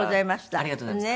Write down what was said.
ありがとうございます。